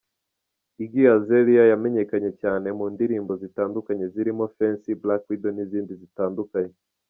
Iggy Azalea yamenyekanye cyane mu ndirimbo zitandukanye zirimo Fancy, Black Widow n’izindi zitandukanye.